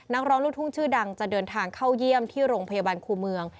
นักร้องลูกทุ่งชื่อดังจะเดินทางเข้าเยี่ยมที่โรงพยาบาลครูเมือง